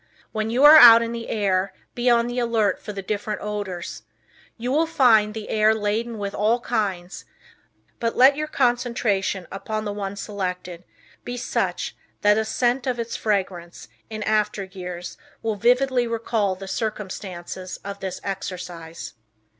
When you are out in the air, be on the alert for the different odors. You will find the air laden with all kinds, but let your concentration upon the one selected be such that a scent of its fragrance in after years will vividly recall the circumstances of this exercise.